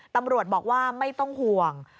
ตำรวจบอกว่าไม่ต้องห่วง